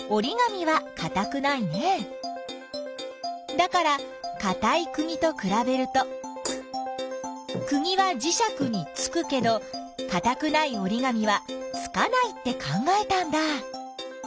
だからかたいくぎとくらべるとくぎはじしゃくにつくけどかたくないおりがみはつかないって考えたんだ。